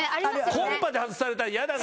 コンパで外されたら嫌だな。